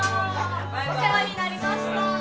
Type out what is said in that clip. お世話になりました。